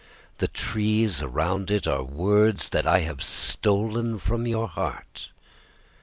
The trees around itAre words that I have stolen from your heart.